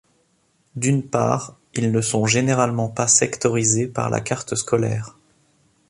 D'une part, ils ne sont généralement pas sectorisés par la carte scolaire.